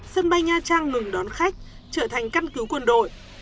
sân bay nha trang ngừng đón khách trở thành căn cứu quân đội